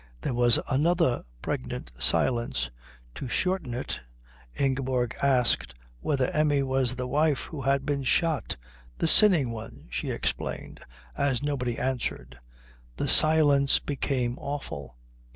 There was another pregnant silence. To shorten it Ingeborg asked whether Emmi was the wife who had been shot "The sinning one," she explained as nobody answered. The silence became awful.